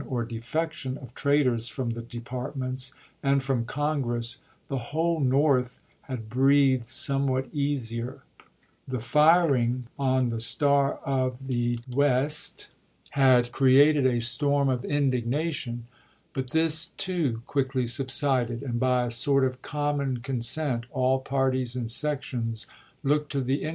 or defection of traitors from the departments and from Congress, the whole North had breathed somewhat easier. The firing on the Star of the 375 376 ABRAHAM LINCOLN ch. xxiii. West had created a storm of indignation ; but this, too, quickly subsided, and by a sort of common consent all parties and sections looked to the in i86i.